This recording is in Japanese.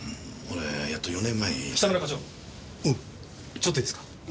ちょっといいですか。